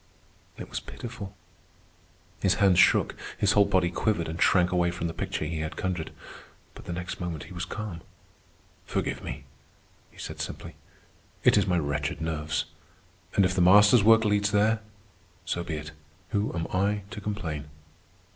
It was pitiful. His hands shook, his whole body quivered and shrank away from the picture he had conjured. But the next moment he was calm. "Forgive me," he said simply. "It is my wretched nerves. And if the Master's work leads there, so be it. Who am I to complain?"